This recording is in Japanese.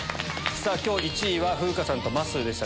１位風花さんとまっすーでした